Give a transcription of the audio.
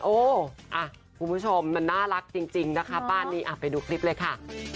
โอ้คุณผู้ชมมันน่ารักจริงนะคะบ้านนี้ไปดูคลิปเลยค่ะ